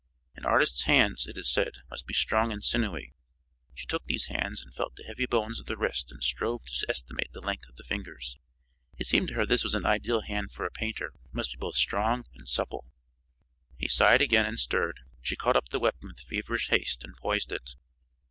An artist's hands, it is said, must be strong and sinewy. She took these hands and felt the heavy bones of the wrist and strove to estimate the length of the fingers. It seemed to her that this was an ideal hand for a painter it must be both strong and supple. He sighed again and stirred; she caught up the weapon with feverish haste and poised it.